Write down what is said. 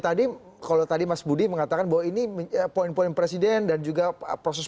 tadi kalau tadi mas budi mengatakan bahwa ini poin poin presiden dan juga proses